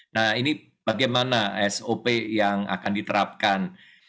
nah ini bagaimana sop yang akan diterapkan